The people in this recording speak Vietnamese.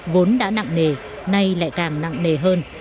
vốn đã nặng nề nay lại càng nặng nề hơn